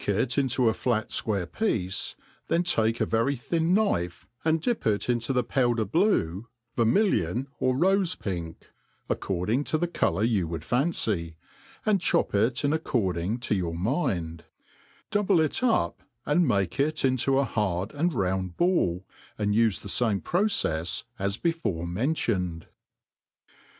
it into a flat fquire picce^ then take a very thin knife, and dip it into the powder blue, vermillion, or rofe pink (according to the colour you would fancy), and chop it in ac^ cording to your mind ; double it up, and make it into a hard and round ball, and ufe the fame procefs as before mentioned.